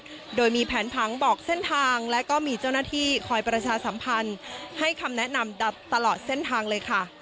ด้วยโดยมีแผนผังบอกเส้นทางและก็มีเจ้าหน้าที่คอยประชาสัมพันธ์ให้คำแนะนำดับตลอดเส้นทางเลยค่ะ